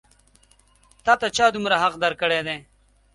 تا ته چا دومره حق درکړی دی؟